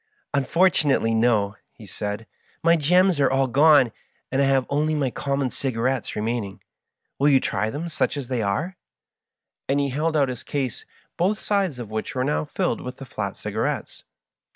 " Unfortunately, no," he said ;" my * gems ' are all gone, and I have only my common cigarettes remaining. Will you try them, such as they are ?" and he held out his case, both sides of which were now filled with the flat cigarettes.